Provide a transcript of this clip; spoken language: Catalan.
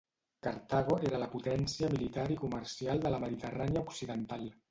Cartago era la potència militar i comercial de la Mediterrània occidental.